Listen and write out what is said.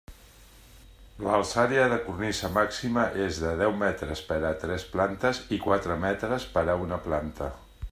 L'alçària de cornisa màxima és de deu metres per a tres plantes i quatre metres per a una planta.